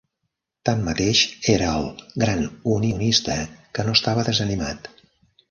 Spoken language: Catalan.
Tanmateix, era el "gran unionista" que no estava desanimat.